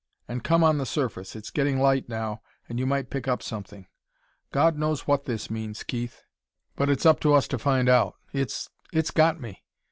And come on the surface; it's getting light now, and you might pick up something. God knows what this means, Keith, but it's up to us to find out. It's it's got me...."